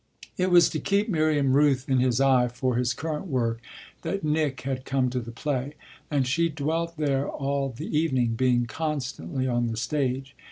It was to keep Miriam Rooth in his eye for his current work that Nick had come to the play; and she dwelt there all the evening, being constantly on the stage.